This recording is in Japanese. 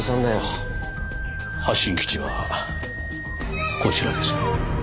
発信基地はこちらですね。